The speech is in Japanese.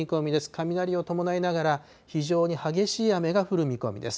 雷を伴いながら、非常に激しい雨が降る見込みです。